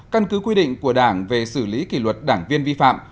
căn cứ quy định của đảng về xử lý kỷ luật đảng viên vi phạm